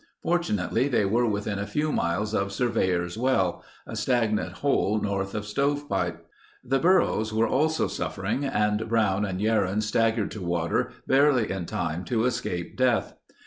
Fortunately they were within a few miles of Surveyor's Well—a stagnant hole north of Stovepipe. The burros were also suffering and Brown and Yerrin staggered to water barely in time to escape death.